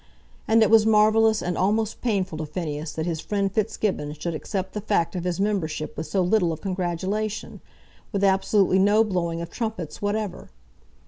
And it was marvellous and almost painful to Phineas that his friend Fitzgibbon should accept the fact of his membership with so little of congratulation, with absolutely no blowing of trumpets whatever.